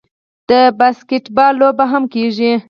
د باسکیټبال لوبې هم کیږي.